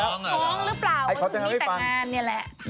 ของหรือเปล่าเพราะถูกไม่ต่างานนี่แหละขอต่างานไม่ฟัง